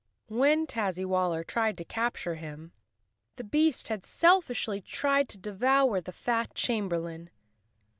When Tazzywaller tried to capture him, the beast had selfishly tried to devour the fat chamberlain.